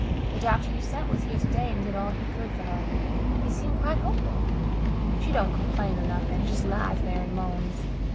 "The doctor you sent was here today and did all he could for her. He seemed quite hopeful. She don't complain or nothing just lies there and moans.